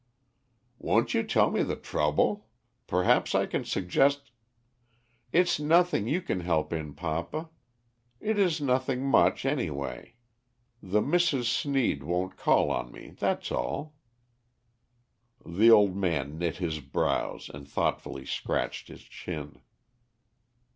"Won't you tell me the trouble? Perhaps I can suggest " "It's nothing you can help in, papa. It is nothing much, any way. The Misses Sneed won't call on me, that's all." The old man knit his brows and thoughtfully scratched his chin.